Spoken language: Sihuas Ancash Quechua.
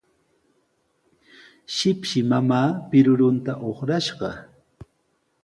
Shipshi mamaa pirurunta uqrashqa.